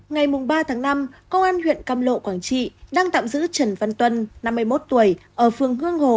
ngày ba tháng năm công an huyện cam lộ quảng trị đang tạm giữ trần văn tuân năm mươi một tuổi ở phường hương hồ